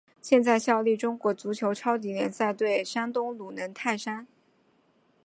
现在效力中国足球超级联赛球队山东鲁能泰山。